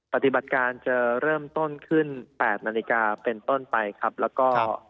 ปฏิบัติการจะเริ่มต้นขึ้น๘นาฬิกาเป็นต้นไปครับแล้วก็